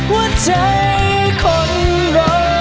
หัวใจคนรอ